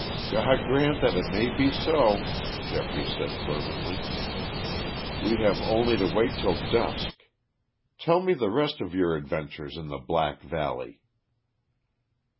"God grant that it may be so," Geoffrey said fervently. "We have only to wait till dusk. Tell me the rest of your adventures in the Black Valley."